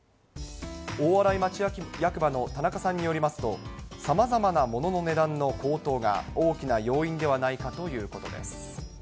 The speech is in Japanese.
大洗町役場の田中さんによりますと、さまざまな物の値段の高騰が大きな要因ではないかということです。